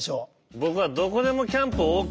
僕は「どこでもキャンプＯＫ街」。